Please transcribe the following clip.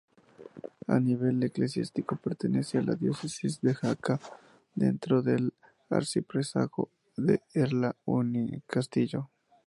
A nivel eclesiástico pertenece a la diócesis de Jaca dentro del Arciprestazgo de Erla-Uncastillo.